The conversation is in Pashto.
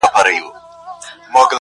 په ما ښکلي په نړۍ کي مدرسې دي؛